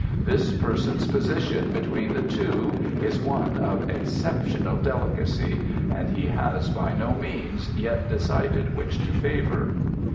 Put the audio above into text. This person's position between the two is one of exceptional delicacy and he has by no means yet decided which to favour."